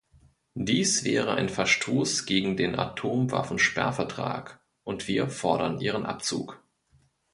Dies wäre ein Verstoß gegen den Atomwaffensperrvertrag, und wir fordern ihren Abzug.